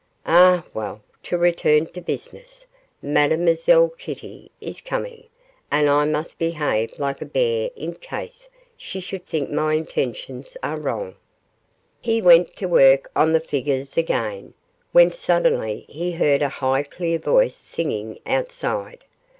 Ah, well, to return to business, Mademoiselle Kitty is coming, and I must behave like a bear in case she should think my intentions are wrong.' He went to work on the figures again, when suddenly he heard a high clear voice singing outside.